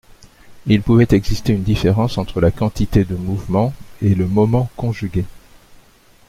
il pouvait exister une différence entre la quantité de mouvement et le moment conjugué